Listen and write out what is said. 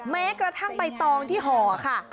แม้กระทั่งใบตองที่ห่อค่ะ